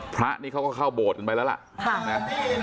พระนี่เขาก็เข้าโบสถกันไปแล้วล่ะ